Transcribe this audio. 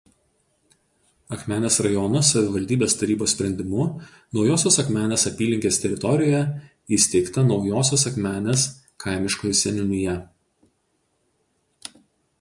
Akmenės rajono savivaldybės tarybos sprendimu Naujosios Akmenės apylinkės teritorijoje įsteigta Naujosios Akmenės kaimiškoji seniūnija.